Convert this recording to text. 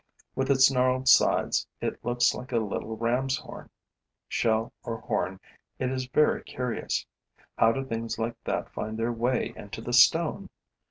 With its gnarled sides, it looks like a little ram's horn. Shell or horn, it is very curious. How do things like that find their way into the stone?